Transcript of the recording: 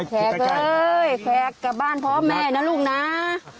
เฮ้ยแขกกลับบ้านพร้อมแม่นะลูกน้า